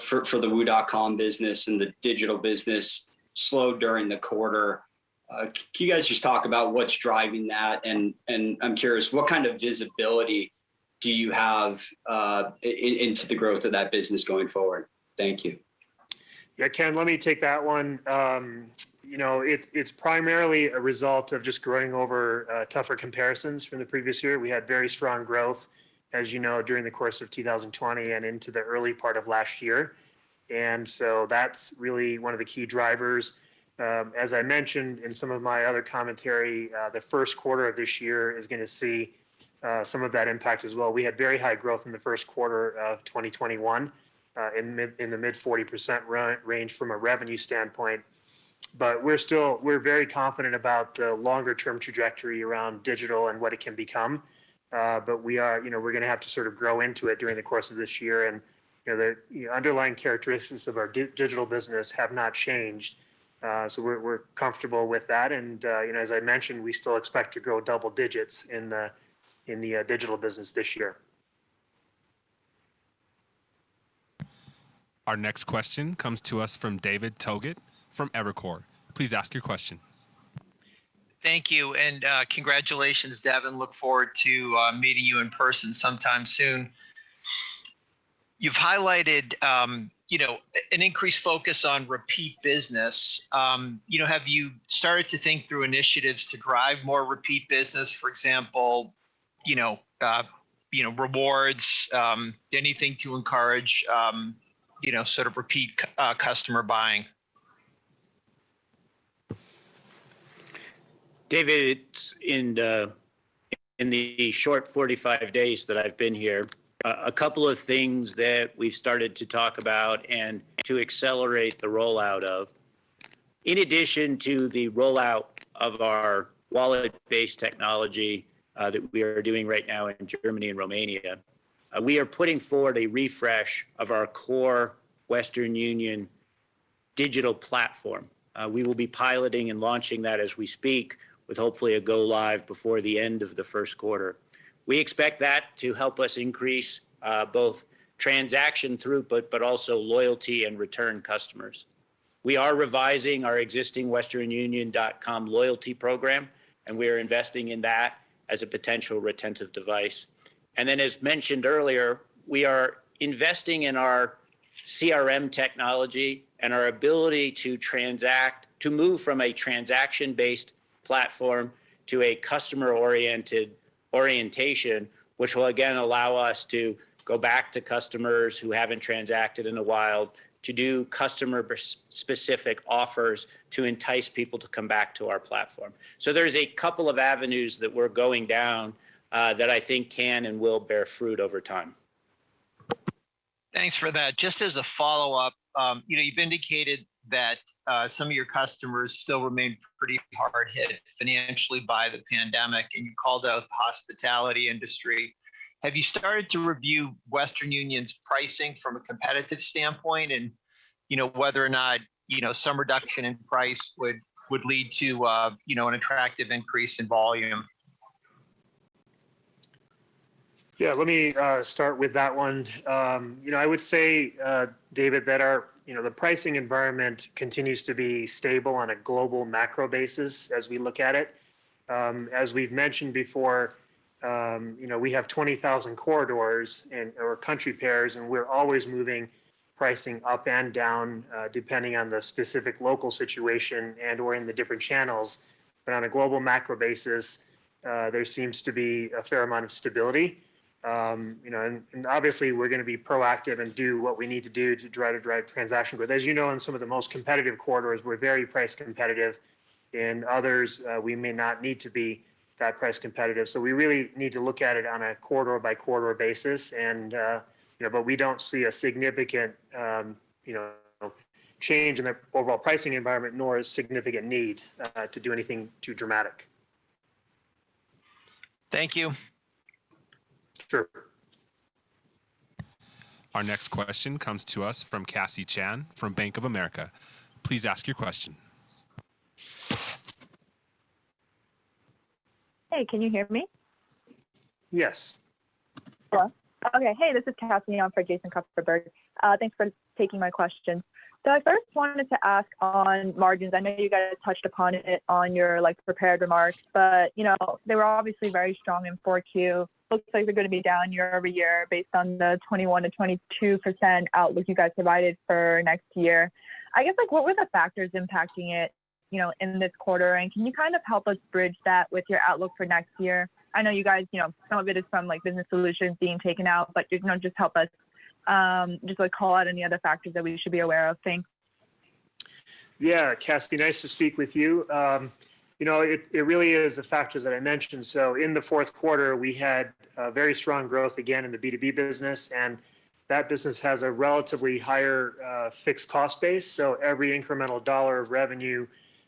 for the wu.com business and the digital business slowed during the quarter. Can you guys just talk about what's driving that? And I'm curious what kind of visibility do you have into the growth of that business going forward? Thank you. Yeah, Ken, let me take that one. It's primarily a result of just growing over tougher comparisons from the previous year. We had very strong growth, as you know, during the course of 2020 and into the early part of last year. That's really one of the key drivers. As I mentioned in some of my other commentary, the first quarter of this year is gonna see some of that impact as well. We had very high growth in the first quarter of 2021, in the mid-40% range from a revenue standpoint. We're still very confident about the longer term trajectory around digital and what it can become. We are, we're gonna have to sort of grow into it during the course of this year. You know, the underlying characteristics of our digital business have not changed. We're comfortable with that. As I mentioned, we still expect to grow double digits in the digital business this year. Our next question comes to us from David Togut from Evercore. Please ask your question. Thank you, and congratulations, Devin. Look forward to meeting you in person sometime soon. You've highlighted an increased focus on repeat business. You know, have you started to think through initiatives to drive more repeat business? For example rewards, anything to encourage, you know, sort of repeat customer buying? David, in the short 45 days that I've been here, a couple of things that we've started to talk about and to accelerate the rollout of. In addition to the rollout of our wallet-based technology that we are doing right now in Germany and Romania, we are putting forward a refresh of our core Western Union digital platform. We will be piloting and launching that as we speak, with hopefully a go live before the end of the first quarter. We expect that to help us increase both transaction throughput, but also loyalty and return customers. We are revising our existing westernunion.com loyalty program, and we are investing in that as a potential retentive device. As mentioned earlier, we are investing in our CRM technology and our ability to transact, to move from a transaction-based platform to a customer-oriented orientation, which will again allow us to go back to customers who haven't transacted in a while to do customer-specific offers to entice people to come back to our platform. There's a couple of avenues that we're going down, that I think can and will bear fruit over time. Thanks for that. Just as a follow-up, you know, you've indicated that some of your customers still remain pretty hard hit financially by the pandemic, and you called out the hospitality industry. Have you started to review Western Union's pricing from a competitive standpoint and, you know, whether or not, you know, some reduction in price would lead to an attractive increase in volume? Yeah, let me start with that one. I would say, David, that our, you know, the pricing environment continues to be stable on a global macro basis as we look at it. As we've mentioned before, we have 20,000 corridors and or country pairs, and we're always moving pricing up and down, depending on the specific local situation and or in the different channels. But on a global macro basis, there seems to be a fair amount of stability. And obviously we're gonna be proactive and do what we need to do to try to drive transaction. But as you know, in some of the most competitive corridors, we're very price competitive. In others, we may not need to be that price competitive. We really need to look at it on a corridor by corridor basis and, you know, but we don't see a significant change in the overall pricing environment, nor a significant need, to do anything too dramatic. Thank you. Sure. Our next question comes to us from Cassie Chan from Bank of America. Please ask your question. Hey, can you hear me? Yes. Hello. Okay. Hey, this is Cassie on for Jason Kupferberg. Thanks for taking my question. I first wanted to ask on margins. I know you guys touched upon it on your, like, prepared remarks, but they were obviously very strong in 4Q. Looks like they're gonna be down year-over-year based on the 21%-22% outlook you guys provided for next year. I guess, like, what were the factors impacting it in this quarter? And can you kind of help us bridge that with your outlook for next year? I know you guys, you know, benefited from, like, business solutions being taken out, but, you know, just help us, like, call out any other factors that we should be aware of. Thanks. Yeah, Cassie. Nice to speak with you. It really is the factors that I mentioned. In the fourth quarter, we had very strong growth again in the B2B business, and that business has a relatively higher fixed cost base. Every incremental dollar of revenue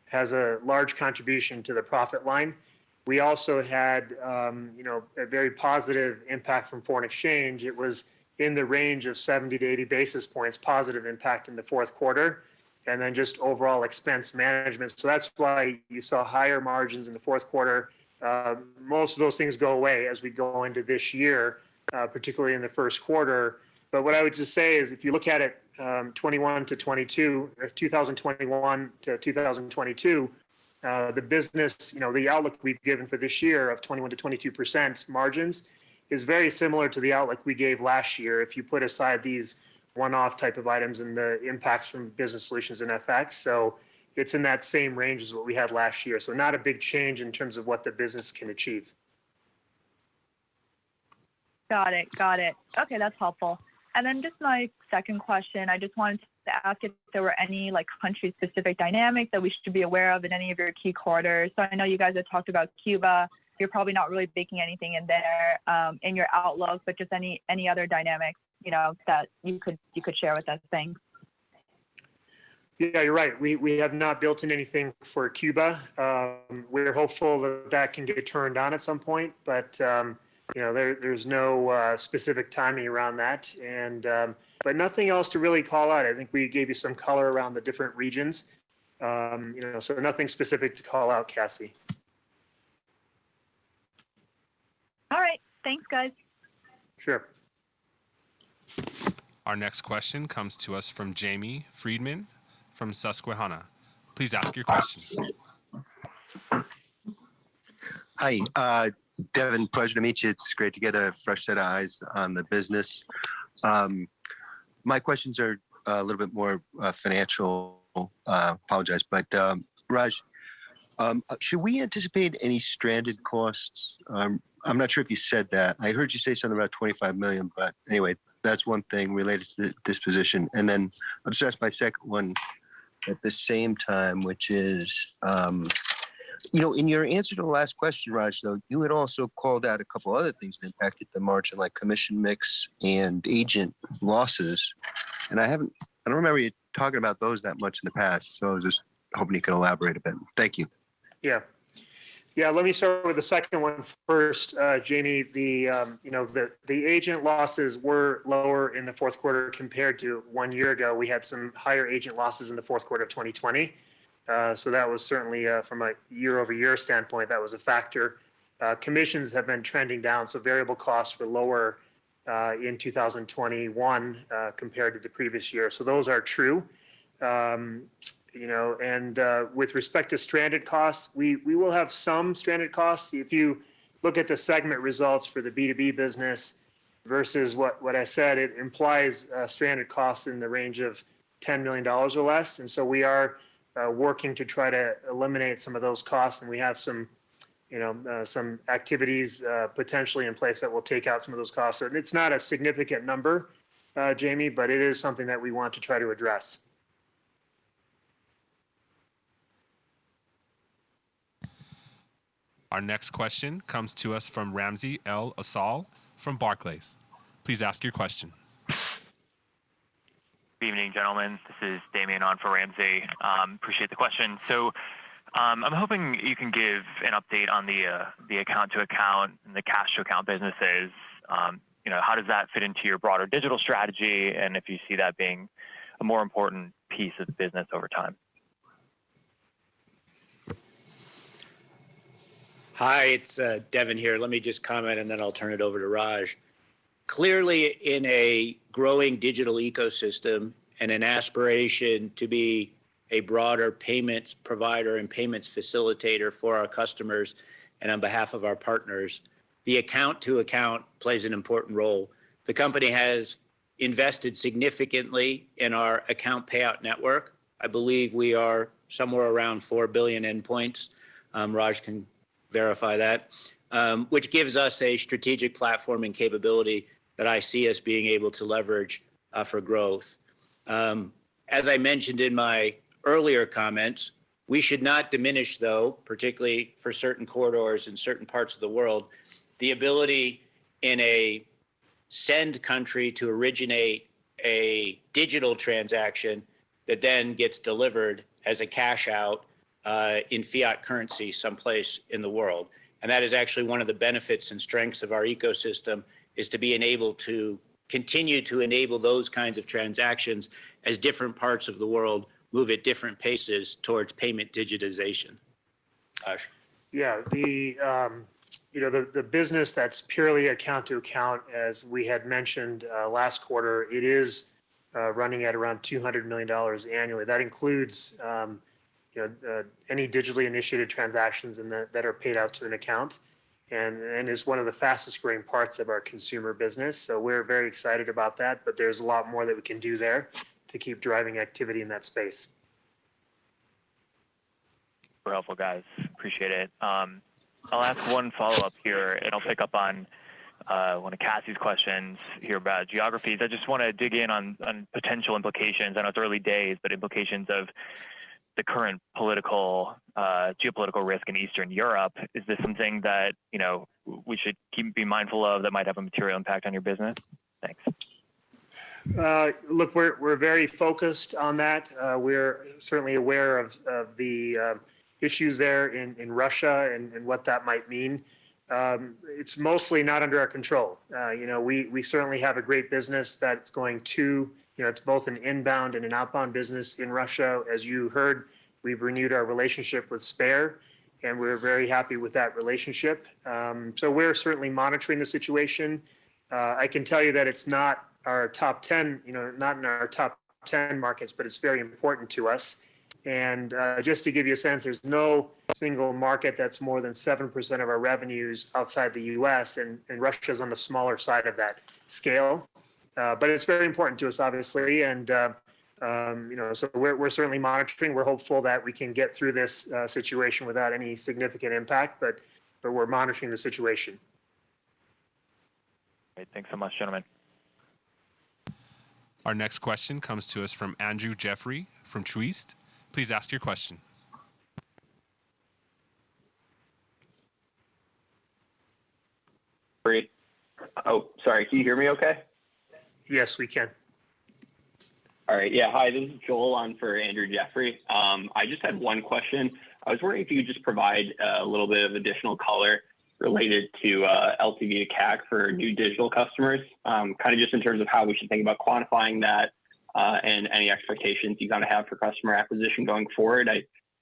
has a large contribution to the profit line. We also had you know, a very positive impact from foreign exchange. It was in the range of 70-80 basis points positive impact in the fourth quarter, and then just overall expense management. That's why you saw higher margins in the fourth quarter. Most of those things go away as we go into this year, particularly in the first quarter. What I would just say is, if you look at it, 2021-2022, the business, you know, the outlook we've given for this year of 21%-22% margins is very similar to the outlook we gave last year if you put aside these one-off type of items and the impacts from business solutions and FX. It's in that same range as what we had last year. Not a big change in terms of what the business can achieve. Got it. Okay, that's helpful. Then just my second question, I just wanted to ask if there were any, like, country-specific dynamics that we should be aware of in any of your key corridors. I know you guys have talked about Cuba. You're probably not really baking anything in there, in your outlook, but just any other dynamics, you know, that you could share with us. Thanks. Yeah, you're right. We have not built in anything for Cuba. We're hopeful that can get turned on at some point, but you know, there's no specific timing around that. Nothing else to really call out. I think we gave you some color around the different regions, you know, so nothing specific to call out, Cassie. All right. Thanks, guys. Sure. Our next question comes to us from Jamie Friedman from Susquehanna. Please ask your question. Hi, Devin, pleasure to meet you. It's great to get a fresh set of eyes on the business. My questions are a little bit more financial. I apologize. Raj, should we anticipate any stranded costs? I'm not sure if you said that. I heard you say something about $25 million, but anyway, that's one thing related to the disposition. Then I'll just ask my second one at the same time, which is, you know, in your answer to the last question, Raj, though, you had also called out a couple of other things that impacted the margin, like commission mix and agent losses, and I don't remember you talking about those that much in the past, so I'm just hoping you can elaborate a bit. Thank you. Let me start with the second one first, Jamie. The agent losses were lower in the fourth quarter compared to one year ago. We had some higher agent losses in the fourth quarter of 2020. That was certainly from a year-over-year standpoint, that was a factor. Commissions have been trending down, so variable costs were lower in 2021 compared to the previous year. Those are true. With respect to stranded costs, we will have some stranded costs. If you look at the segment results for the B2B business versus what I said, it implies stranded costs in the range of $10 million or less. We are working to try to eliminate some of those costs, and we have some, you know, some activities, potentially in place that will take out some of those costs. It's not a significant number, Jamie, but it is something that we want to try to address. Our next question comes to us from Ramsey El-Assal from Barclays. Please ask your question. Good evening, gentlemen. This is Damian on for Ramsey. Appreciate the question. I'm hoping you can give an update on the account to account and the cash to account businesses. How does that fit into your broader digital strategy, and if you see that being a more important piece of the business over time? Hi, it's Devin here. Let me just comment, and then I'll turn it over to Raj. Clearly, in a growing digital ecosystem and an aspiration to be a broader payments provider and payments facilitator for our customers and on behalf of our partners, the account to account plays an important role. The company has invested significantly in our account payout network. I believe we are somewhere around 4 billion endpoints. Raj can verify that, which gives us a strategic platform and capability that I see us being able to leverage for growth. As I mentioned in my earlier comments, we should not diminish though, particularly for certain corridors in certain parts of the world, the ability in a send country to originate a digital transaction that then gets delivered as a cash out in fiat currency someplace in the world. that is actually one of the benefits and strengths of our ecosystem is to be enabled to continue to enable those kinds of transactions as different parts of the world move at different paces towards payment digitization. Raj? Yeah. The business that's purely account to account as we had mentioned last quarter, it is running at around $200 million annually. That includes any digitally initiated transactions that are paid out to an account and is one of the fastest-growing parts of our consumer business, so we're very excited about that. But there's a lot more that we can do there to keep driving activity in that space. Very helpful, guys. Appreciate it. I'll ask one follow-up here, and I'll pick up on one of Cassie's questions here about geographies. I just wanna dig in on potential implications. I know it's early days, but implications of the current political geopolitical risk in Eastern Europe. Is this something that, we should be mindful of that might have a material impact on your business? Thanks. Look, we're very focused on that. We're certainly aware of the issues there in Russia and what that might mean. It's mostly not under our control. We certainly have a great business that's both an inbound and an outbound business in Russia. As you heard, we've renewed our relationship with Sber, and we're very happy with that relationship. We're certainly monitoring the situation. I can tell you that it's not our top 10, you know, not in our top 10 markets, but it's very important to us. Just to give you a sense, there's no single market that's more than 7% of our revenues outside the U.S., and Russia's on the smaller side of that scale. It's very important to us, obviously, and so we're certainly monitoring. We're hopeful that we can get through this situation without any significant impact, but we're monitoring the situation. Great. Thanks so much, gentlemen. Our next question comes to us from Andrew Jeffrey from Truist. Please ask your question. Great. Oh, sorry, can you hear me okay? Yes, we can. All right. Yeah. Hi, this is Joel. I'm for Andrew Jeffrey. I just had one question. I was wondering if you could just provide a little bit of additional color related to LTV to CAC for new digital customers, kind of just in terms of how we should think about quantifying that, and any expectations you kind of have for customer acquisition going forward.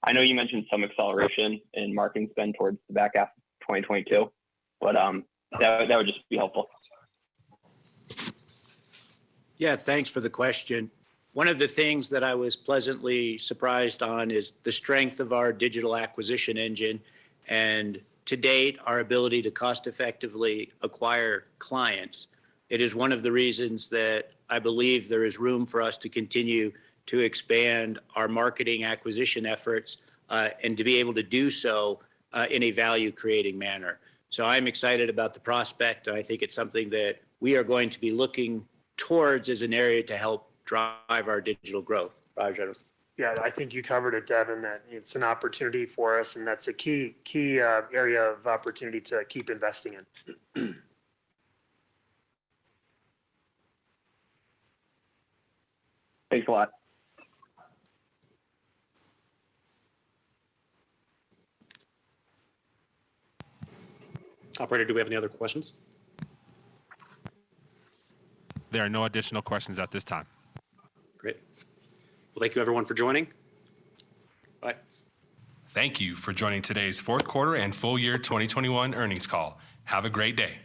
I know you mentioned some acceleration in marketing spend towards the back half of 2022, but that would just be helpful. Yeah. Thanks for the question. One of the things that I was pleasantly surprised on is the strength of our digital acquisition engine and to date, our ability to cost effectively acquire clients. It is one of the reasons that I believe there is room for us to continue to expand our marketing acquisition efforts, and to be able to do so, in a value-creating manner. I'm excited about the prospect. I think it's something that we are going to be looking towards as an area to help drive our digital growth. Yeah. I think you covered it Devin, that it's an opportunity for us, and that's a key area of opportunity to keep investing in. Thanks a lot. Operator, do we have any other questions? There are no additional questions at this time. Great. Well, thank you everyone for joining. Bye. Thank you for joining today's fourth quarter and full year 2021 earnings call. Have a great day.